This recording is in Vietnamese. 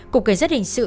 cục cảnh sát hình sự